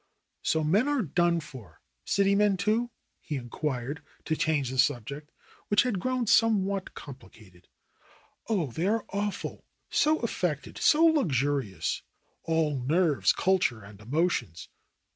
"So men are done for — city men, too ?" he inquired to change the subject, which had grown somewhat compli cated. "Oh, they are awful! So affected, so luxurious, all nerves, culture and emotions.